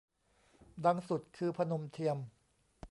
ดังสุดคือ พนมเทียม